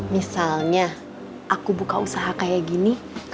misalnya aku buka kamar aku mau ke tempat yang lebih baik